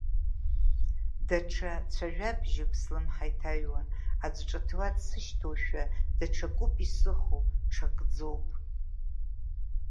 Даҽа цәажәабжьуп слымҳа иҭаҩуа, аӡәы ҿыҭуа дсышьҭоушәа, даҽакуп исыхо, ҽакӡоуп…